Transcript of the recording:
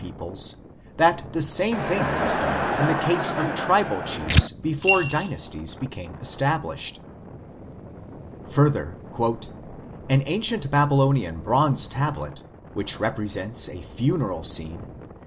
100 IMMORTALITY AND THE UNSEEN WORLD that the same thing was done in the case of tribal chiefs before dynasties became established. Further, " an ancient Baby lonian bronze tablet, which represents a funeral scene